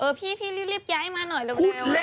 เออพี่รีบย้ายมาหน่อยเร็วเลย